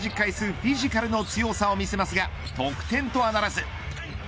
フィジカルの強さを見せますが得点とはならず。